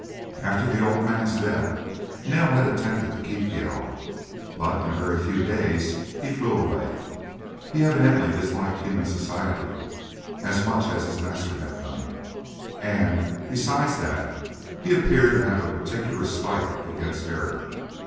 After the old man's death, Nell had attempted to keep the owl, but in a very few days he flew away. He evidently disliked human society as much as his master had done, and, besides that, he appeared to have a particular spite against Harry.